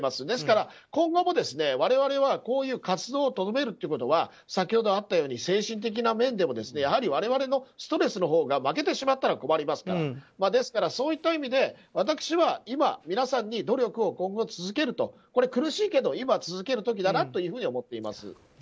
ですから、今後も我々はこういう活動をとどめることは先ほどあったように精神的な面でもやはり我々のストレスのほうが負けてしまったら困りますからですから、そういった意味で私は今、皆さんに努力を今後、続けると今、苦しいけど今は続ける時だなというふうに思っています。